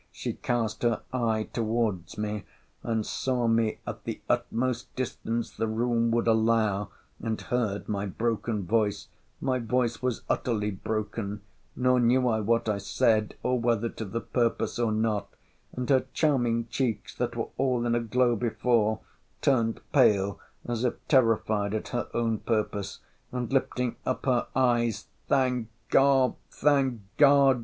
] she cast her eye towards me, and saw me at the utmost distance the room would allow, and heard my broken voice—my voice was utterly broken; nor knew I what I said, or whether to the purpose or not—and her charming cheeks, that were all in a glow before, turned pale, as if terrified at her own purpose; and lifting up her eyes—'Thank God!—thank God!